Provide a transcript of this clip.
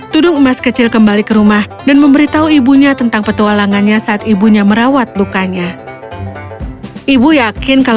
tudung emas kecil kembali ke rumah dan memberitahu ibunya tentang petualangannya saat ibunya merawat lukanya ibu yakin kalau